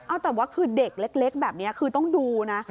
เอาแต่ว่าคือเด็กเล็กแบบนี้คือต้องดูนะ